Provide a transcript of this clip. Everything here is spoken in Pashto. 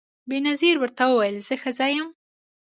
بېنظیر ورته وویل زه ښځه یم